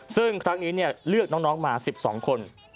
ซึ่งครั้งนี้เลือกน้องมา๑๒คน